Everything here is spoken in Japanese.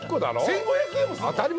１，５００円もすんの？